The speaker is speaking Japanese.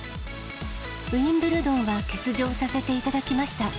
ウィンブルドンは欠場させていただきました。